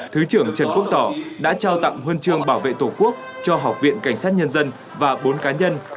thứ trưởng trần quốc tỏ đã trao tặng huân chương bảo vệ tổ quốc cho học viện cảnh sát nhân dân và bốn cá nhân